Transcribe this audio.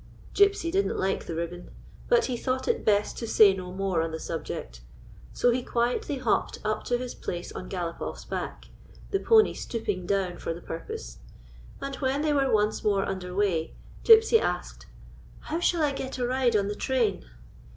Gypsy didn't like the ribbon ; but he thought it best to say no more on the subject. So he quietly hopped up to his place on Galopoff's back — the pony stooping down for the puiq>ose; and, when they were once more under way, Gypsy asked :" How shall I get a ride on the train?"